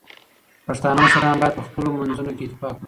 پښتانه مشران باید په خپلو منځونو کې اتفاق ولري.